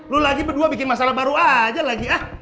lu lagi berdua bikin masalah baru aja lagi ah